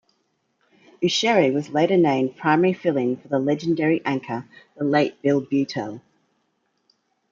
Ushery was later named primary fill-in for the legendary anchor, the late Bill Beutel.